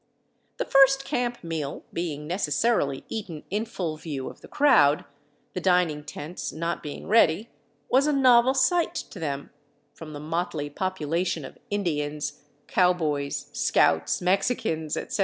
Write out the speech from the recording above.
The first camp meal being necessarily eaten in full view of the crowd, the dining tents not being ready, was a novel sight to them, from the motley population of Indians, cowboys, scouts, Mexicans, etc.